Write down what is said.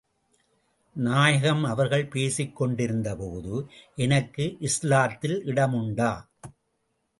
நாயகம் அவர்கள் பேசிக் கொண்டிருந்த போது, எனக்கு இஸ்லாத்தில் இடமுண்டா?